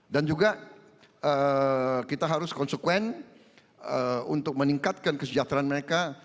dan juga kita harus konsekuen untuk meningkatkan kesejahteraan mereka